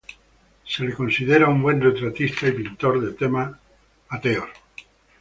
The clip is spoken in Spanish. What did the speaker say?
Se le considera un buen retratista y pintor de temas religiosos.